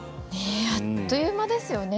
あっという間ですよね